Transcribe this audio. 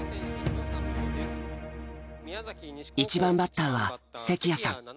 １番バッターは関谷さん。